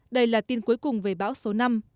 đây là tin cuối cùng về bão số năm